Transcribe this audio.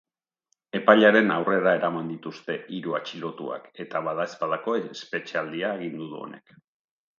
Epailearen aurrera eraman dituzte hiru atxilotuak eta badaezpadako espetxealdia agindu du honek.